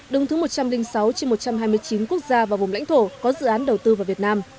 đứng thứ một trăm linh sáu trên một trăm hai mươi chín quốc gia và vùng lãnh thổ có dự án đầu tư vào việt nam